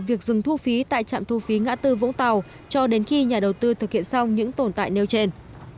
việc dừng thu phí tại trạm thu phí ngã tư vũng tàu cho đến khi nhà đầu tư thực hiện xong những tồn tại nêu trên